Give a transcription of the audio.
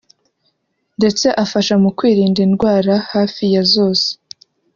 ndetse afasha mu kwirinda indwara hafi ya zose